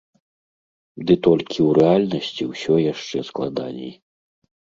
Ды толькі ў рэальнасці ўсё яшчэ складаней.